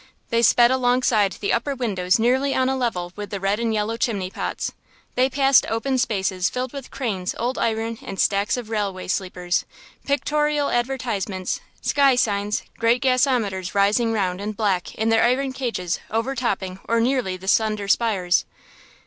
They sped alongside of the upper windows nearly on a level with the red and yellow chimney pots; they passed open spaces filled with cranes, old iron, and stacks of railway sleepers, pictorial advertisements, sky signs, great gasometers rising round and black in their iron cages over topping or nearly the slender spires.